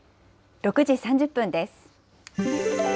６時３０分です。